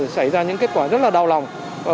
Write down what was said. xảy ra những kết quả rất là đau lòng